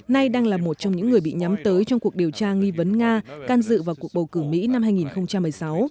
nay đang là một trong những người bị nhắm tới trong cuộc điều tra nghi vấn nga can dự vào cuộc bầu cử mỹ năm hai nghìn một mươi sáu